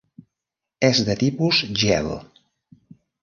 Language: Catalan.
És de tipus Gel.